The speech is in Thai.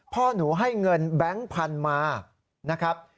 พ่อหนูให้เงินแบงค์พันธุ์มานะครับ